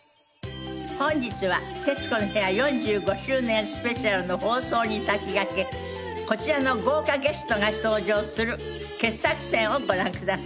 本日は『徹子の部屋４５周年スペシャル』の放送に先駆けこちらの豪華ゲストが登場する傑作選をご覧ください。